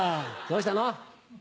どうしたの？